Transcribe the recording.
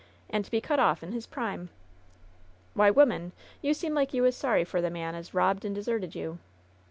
And to be cut off in his prime !" "Why, woman, you seem like you was sorry for the man as robbed and deserted you